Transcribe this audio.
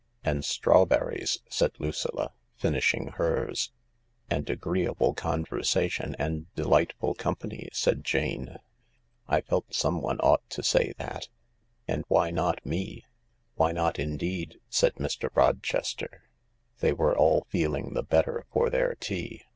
And strawberries," said Lucilla, finishing hers. "And agreeable conversation and delightful company," said Jane. " I felt someone ought to say that, and why not L 162 THE LARK " Why not indeed ?" said Mr. Rochester. They were all feeling the better for their tea.